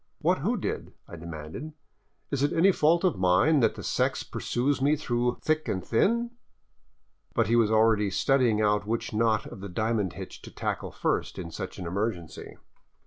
" What who did? " I demanded. " Is it any fault of mine that the sex pursues me through thick and thin ?" But he was already studying out which knot of the diamond hitch to tackle first in such an emergency.